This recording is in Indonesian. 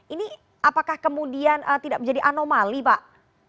ini apakah kemudian tidak menjadi anomali pak